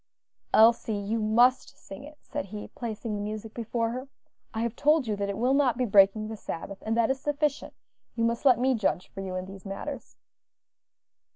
"Elsie, you must sing it," said he, placing the music before her. "I have told you that it will not be breaking the Sabbath, and that is sufficient; you must let me judge for you in these matters."